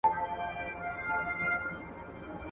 که ښوونکی لارښوونه وکړي، زده کوونکی نه بې لارې کېږي.